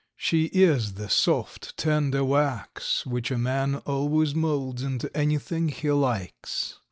"She is the soft, tender wax which a man always moulds into anything he likes.